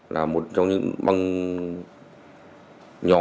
là một trong những băng nhỏ